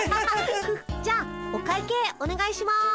じゃあお会計おねがいします。